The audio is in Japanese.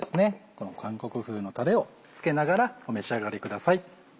この韓国風のたれを付けながらお召し上がりください。